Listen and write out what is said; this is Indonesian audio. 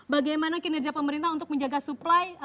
bagaimana kinerja pemerintah untuk menjaga supply